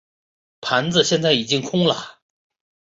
盘子现在已经空了。